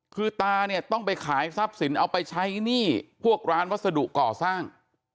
คือตาเนี่ยต้องไปขายทรัพย์สินเอาไปใช้หนี้พวกร้านวัสดุก่อสร้าง